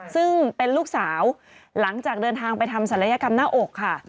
ซึ่งเป็นลูกสาวหลังจากเดินทางไปทำศัลยกรรมหน้าอกค่ะ